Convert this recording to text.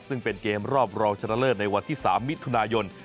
ซึ่งเป็นเกมรอบรองชนะเลิศในวันที่๓มิถุนายน